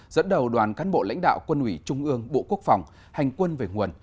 dẫn đầu đoàn cán bộ lãnh đạo quân ủy trung ương bộ quốc phòng hành quân về nguồn